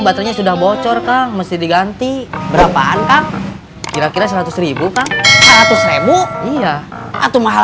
baterainya sudah bocor kang mesti diganti berapaan kak kira kira seratus kan seratus iya atau mahal